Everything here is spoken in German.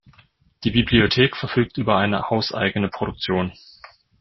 Die Bibliothek verfügt über eine hauseigene Produktion.